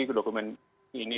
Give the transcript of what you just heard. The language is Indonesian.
ke dokumen ini